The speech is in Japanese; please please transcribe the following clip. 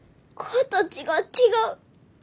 形が違う。